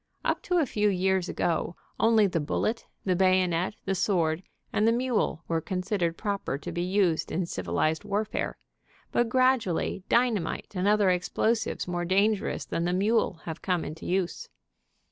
Up to a few years ago only the bullet, the bayonet, the sword and the mule were considered proper to be used in civilized warfare, but gradually dynamite and other explosives more dangerous than the mule have come into use.